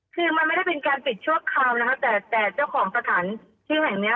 คือมันไม่ได้เป็นการปิดชั่วคราวนะคะแต่แต่เจ้าของสถานที่แห่งเนี้ย